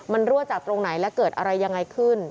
มันรั่วจากตรงไหนและเกิดอะไรยังไงขึ้น